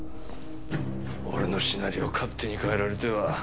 俺のシナリオを勝手に変えられては。